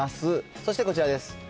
そしてこちらです。